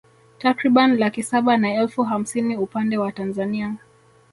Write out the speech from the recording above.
Takriban laki saba na elfu hamsini upande wa Tanzania